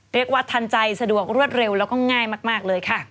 ทันใจสะดวกรวดเร็วแล้วก็ง่ายมากเลยค่ะ